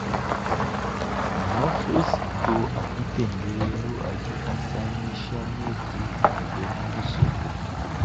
Mafesto a bitendelelu adi asangisha mêku ne bena musoko.